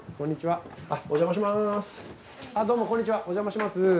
お邪魔します